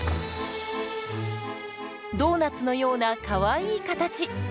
ドーナツのようなかわいい形。